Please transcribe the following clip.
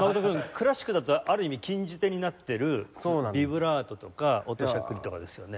クラシックだったらある意味禁じ手になってるビブラートとか音しゃくりとかですよね。